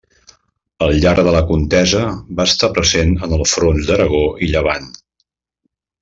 Al llarg de la contesa va estar present en els fronts d'Aragó i Llevant.